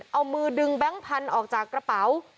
เอามือดึงแบงค์พันธุ์ออกจากกระเป๋า